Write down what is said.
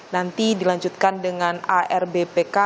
nanti dilanjutkan dengan arbpk